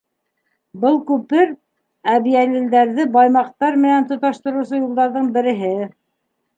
Был күпер — әбйәлилдәрҙе баймаҡтар менән тоташтырыусы юлдарҙың береһе.